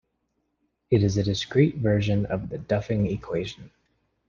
It is a discrete version of the Duffing equation.